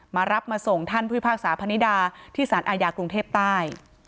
มารับมาส่งท่านผู้พิพากษาพนิดาที่สารอาญากรุงเทพใต้